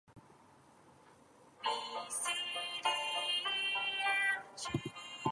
Westdale was envisioned as an exclusive white Protestant neighbourhood.